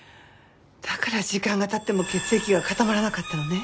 だから時間が経っても血液が固まらなかったのね。